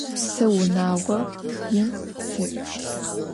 Se vunağo yin si'.